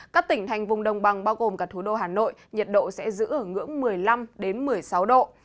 các tỉnh thành vùng đồng bằng bao gồm cả thủ đô hà nội nhiệt độ sẽ giữ ở ngưỡng một mươi năm một mươi sáu độ